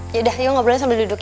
yaudah yuk ngobrolnya sambil duduk